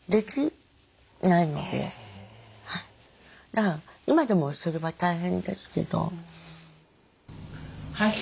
だから今でもそれは大変ですけど。